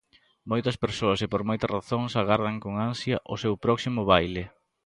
Moitas persoas, e por moitas razóns, agardan con ansia o seu próximo baile.